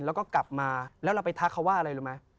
แล้วก็กลับมาแล้วเราไปทักเขาว่าอะไรรู้ไหม